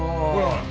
ほら。